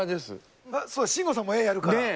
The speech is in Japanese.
慎吾さんも絵やるからねえ！